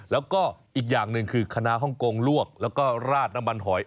แล้วก็อีกอย่างหนึ่งคือคณะฮ่องกงลวกแล้วก็ราดน้ำมันหอย